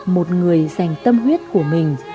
một người dành tâm huyết của mình